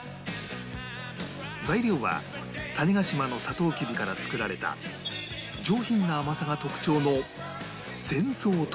材料は種子島のサトウキビから作られた上品な甘さが特徴の洗双糖